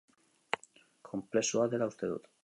Konplexua dela uste dut.